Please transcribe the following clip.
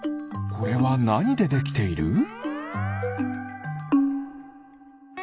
これはなにでできている？